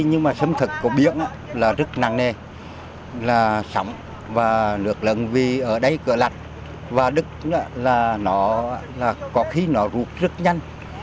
nhưng mà xâm thực của biển là rất nặng nề là sống và lượt lận vì ở đây cửa lạnh và đứt là nó có khi nó rụt rất nhanh